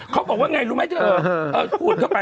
เขาบอกว่าไงรู้ไหมเธอพูดเข้าไป